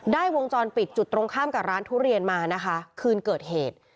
วงจรปิดจุดตรงข้ามกับร้านทุเรียนมานะคะคืนเกิดเหตุ